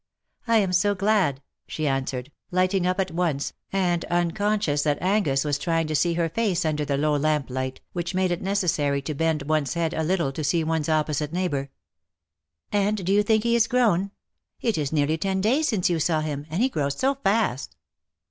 " I am so glad," she answered, lighting up at once, and unconscious that Angus was trying to see her face under the low lamplight, which made it necessary to bend one's head a little to see one^s opposite neighbour. " And do you think he is grown? It is nearly ten days since you saw him, and he grows so fast."